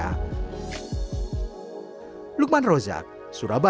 ketika kita diperhubungkan dengan masjid lainnya